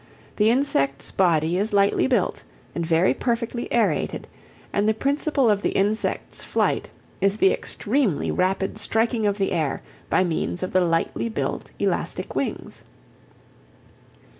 The insect's body is lightly built and very perfectly aerated, and the principle of the insect's flight is the extremely rapid striking of the air by means of the lightly built elastic wings.